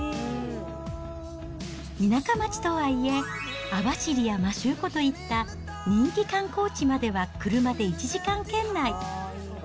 田舎町とはいえ、網走や摩周湖といった人気観光地までは車で１時間圏内。